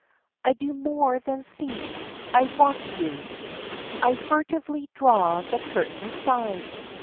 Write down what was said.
I do more than see, I watch you. I furtively draw the curtain aside.